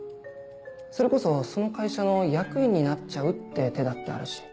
それこそその会社の役員になっちゃうって手だってあるし。